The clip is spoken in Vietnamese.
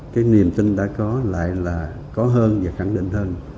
cái niềm tin đã có lại là có hơn và khẳng định hơn